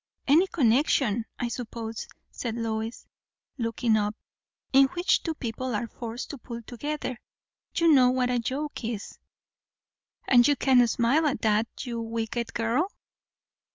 "Any connection, I suppose," said Lois, looking up, "in which two people are forced to pull together. You know what a 'yoke' is?" "And you can smile at that, you wicked girl?"